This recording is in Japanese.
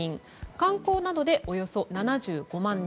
観光などでおよそ７５万人。